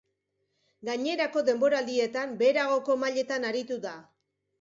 Gainerako denboraldietan, beheragoko mailetan aritu da.